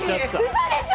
嘘でしょ！